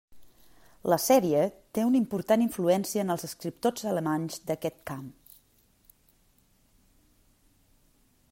La sèrie té una important influència en els escriptors alemanys d'aquest camp.